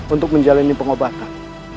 untuk menjalani pengobatan